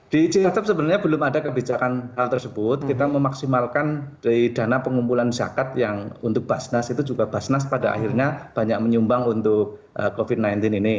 di cilacap sebenarnya belum ada kebijakan hal tersebut kita memaksimalkan dari dana pengumpulan zakat yang untuk basnas itu juga basnas pada akhirnya banyak menyumbang untuk covid sembilan belas ini